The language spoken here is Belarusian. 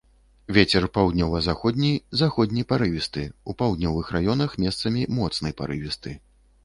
Вецер паўднёва-заходні, заходні парывісты, у паўднёвых раёнах месцамі моцны парывісты.